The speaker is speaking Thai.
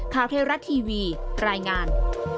คราวเทศรัททีวีรายงาน